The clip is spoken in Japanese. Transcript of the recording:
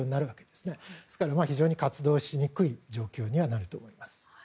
ですから非常に活動しにくい状況にはなると思います。